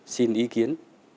xin ý kiến